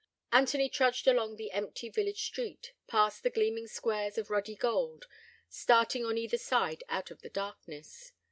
Anthony trudged along the empty village street, past the gleaming squares of ruddy gold, starting on either side out of the darkness.